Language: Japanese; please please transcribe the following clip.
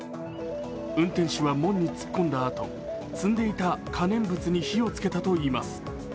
運転手は、門に突っ込んだあと積んでいた可燃物に火をつけたといいます。